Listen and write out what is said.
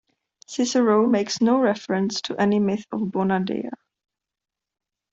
Cicero makes no reference to any myth of Bona Dea.